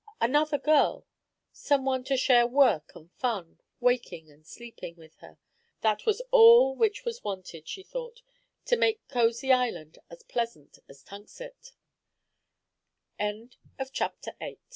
Another girl, some one to share work and fun, waking and sleeping, with her, that was all which was wanted, she thought, to make Causey Island as pleasant as Tunxet. CHAPTER IX. SHUT UP IN THE OVEN.